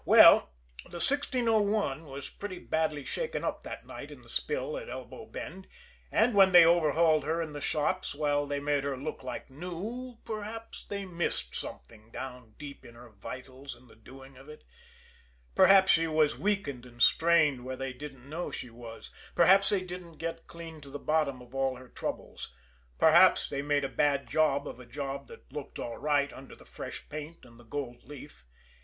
Well, the 1601 was pretty badly shaken up that night in the spill at Elbow Bend, and when they overhauled her in the shops, while they made her look like new, perhaps they missed something down deep in her vitals in the doing of it; perhaps she was weakened and strained where they didn't know she was; perhaps they didn't get clean to the bottom of all her troubles; perhaps they made a bad job of a job that looked all right under the fresh paint and the gold leaf.